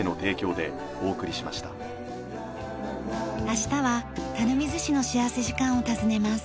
明日は垂水市の幸福時間を訪ねます。